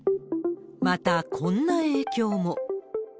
また、こんな影響も。